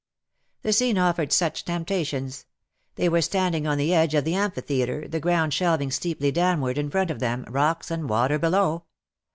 The scene offered such temptations. They were standing on the edge of the amphitheatre, the ground shelving steeply downward in front of them, rocks and water below.